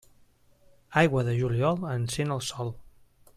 Aigua de juliol encén el sol.